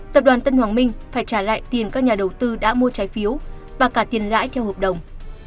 tập đoàn tân hoàng minh phải trả lại tiền các nhà đầu tư đã mua trái phiếu và cả tiền lãi theo hợp đồng